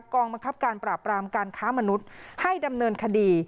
กองบังคับการปราบรามการค้ามนุษย์ให้ดำเนินคดี